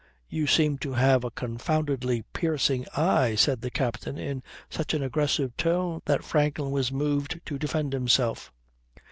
"You seem to have a confoundedly piercing eye," said the captain in such an aggressive tone that Franklin was moved to defend himself.